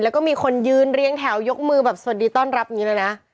แล้วก็มีคนยืนเรียงแถวยกมือแบบสวัสดีต้อนรับอย่างนี้เลยนะ